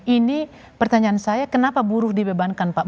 ini pertanyaan saya kenapa buruh dibebankan pak